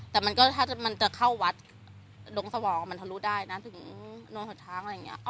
แต่มันก็ถ้ามันจะเข้าวัดลงสวองมันทะลุได้นะถึงนอนหดทางอะไรอย่างนี้